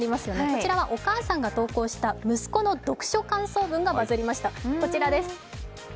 こちらはお母さんが投稿した息子の読書感想文がバズりました、こちらです。